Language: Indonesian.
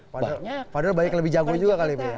padahal banyak lebih jago juga kali ya